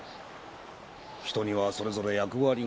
人にはそれぞれ役割がある。